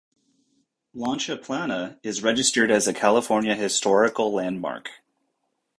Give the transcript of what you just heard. Lancha Plana is registered as a California Historical Landmark.